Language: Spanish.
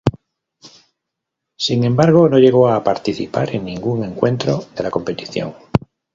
Sin embargo, no llegó a participar en ningún encuentro de la competición.